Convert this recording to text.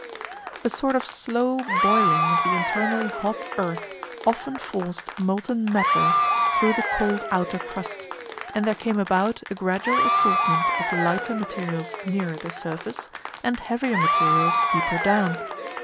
A sort of slow boiling of the internally hot earth often forced molten matter through the cold outer crust, and there came about a gradual assortment of lighter materials nearer the surface and heavier materials deeper down.